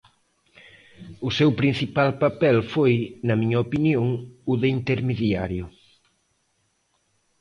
O seu principal papel foi, na miña opinión, o de intermediario.